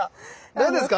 何ですか？